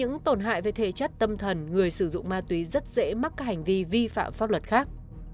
còn hại về thể chất tâm thần người sử dụng ma túy rất dễ mắc hành vi vi phạm pháp luật khác